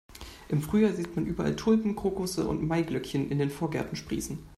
Im Frühjahr sieht man überall Tulpen, Krokusse und Maiglöckchen in den Vorgärten sprießen.